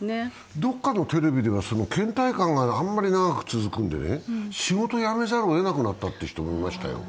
どこかのテレビではけん怠感があんまり長く続くんで、仕事を辞めざるをえなくなった人がいましたよ。